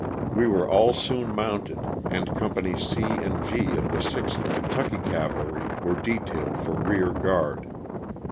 We were all soon mounted, and Companies and Gr of the 6th Kentucky Cavalry were detailed for rear guard.